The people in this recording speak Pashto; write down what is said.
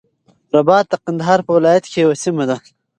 رباط د قندهار په ولایت کی یوه سیمه ده.